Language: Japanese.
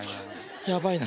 やばいな。